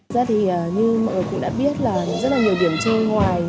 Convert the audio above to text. thật ra thì như mọi người cũng đã biết là rất là nhiều điểm chơi ngoài